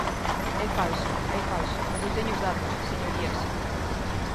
É falso, é falso; eu teño os datos, señorías.